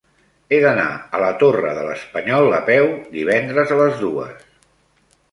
He d'anar a la Torre de l'Espanyol a peu divendres a les dues.